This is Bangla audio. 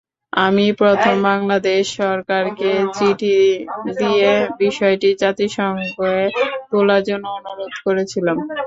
আমিই প্রথম বাংলাদেশ সরকারকে চিঠি দিয়ে বিষয়টি জাতিসংঘে তোলার জন্য অনুরোধ করেছিলাম।